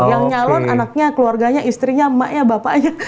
yang nyalon anaknya keluarganya istrinya emaknya bapaknya